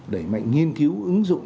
đẩy mạnh nghiên cứu ứng dụng